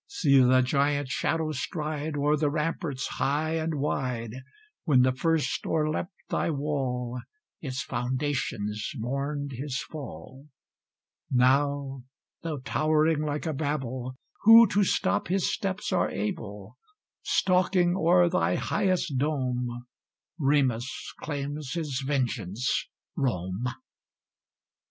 See the giant shadow stride O'er the ramparts high and wide! When the first o'erleapt thy wall, Its foundation mourned his fall. Now, though towering like a Babel, Who to stop his steps are able? Stalking o'er thy highest dome, Remus claims his vengeance, Rome!